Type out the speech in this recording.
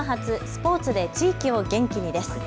スポーツで地域を元気にです。